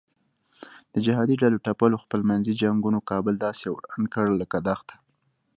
د جهادي ډلو ټپلو خپل منځي جنګونو کابل داسې وران کړ لکه دښته.